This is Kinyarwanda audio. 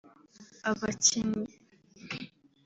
abakinnyi